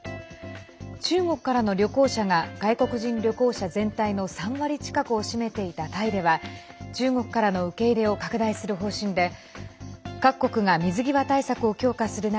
中国からの旅行者が外国人旅行者全体の３割近くを占めていたタイでは中国からの受け入れを拡大する方針で各国が水際対策を強化する中